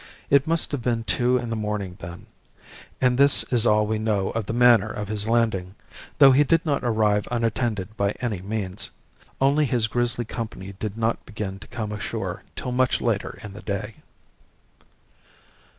It must have been two in the morning then. And this is all we know of the manner of his landing, though he did not arrive unattended by any means. Only his grisly company did not begin to come ashore till much later in the day...."